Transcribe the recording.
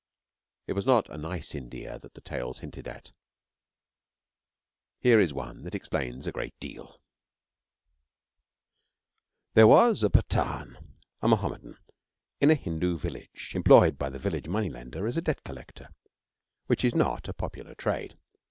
It was not a nice India that the tales hinted at. Here is one that explains a great deal: There was a Pathan, a Mohammedan, in a Hindu village, employed by the village moneylender as a debt collector, which is not a popular trade.